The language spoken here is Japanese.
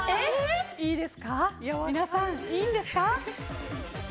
皆さん、いいんですか？